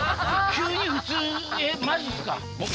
急にえっマジっすか。